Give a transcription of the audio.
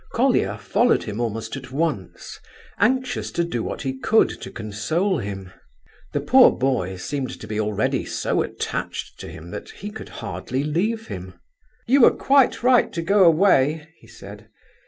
Colia followed him almost at once, anxious to do what he could to console him. The poor boy seemed to be already so attached to him that he could hardly leave him. "You were quite right to go away!" he said.